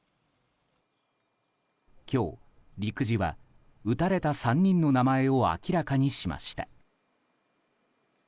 今日、陸自は撃たれた３人の名前を明らかにしました。